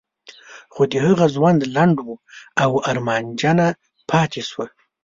خو د هغه ژوند لنډ و او ارمانجنه پاتې شوم.